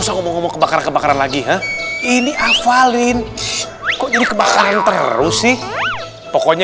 usah ngomong kebakaran kebakaran lagi ini afalin kok jadi kebakaran terus sih pokoknya